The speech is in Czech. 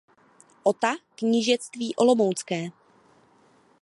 Ota knížectví olomoucké.